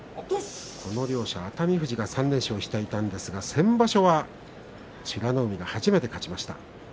この両者、熱海富士が３連勝していたんですが先場所は美ノ海が初めて勝ちました。